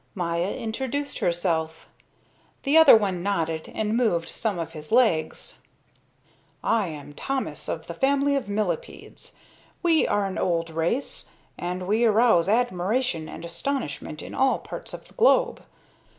Maya introduced herself. The other one nodded and moved some of his legs. "I am Thomas of the family of millepeds. We are an old race, and we arouse admiration and astonishment in all parts of the globe.